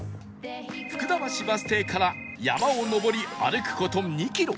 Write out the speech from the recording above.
福田橋バス停から山を登り歩く事２キロ